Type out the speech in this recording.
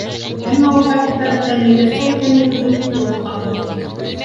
Әммә ул пакеттарҙа тәмлекәстәр икәнлеген шундуҡ күреп ҡалдым.